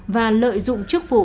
và lợi dụng chức vụ